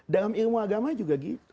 dalam ilmu agama juga gitu